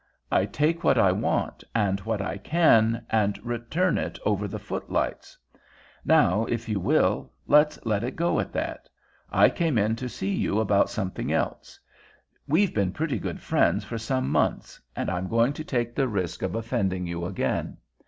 I take what I want, and what I can, and return it over the footlights. Now, if you will, let's let it go at that. I came in to see you about something else. We've been pretty good friends for some months, and I'm going to take the risk of offending you again.